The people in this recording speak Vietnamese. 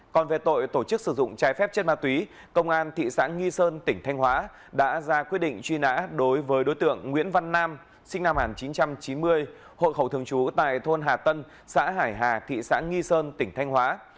công an thị xã nghi sơn tỉnh thanh hóa đã ra quyết định truy nã đối với đối tượng nguyễn văn nam sinh năm một nghìn chín trăm chín mươi hội khẩu thường trú tại thôn hà tân xã hải hà thị xã nghi sơn tỉnh thanh hóa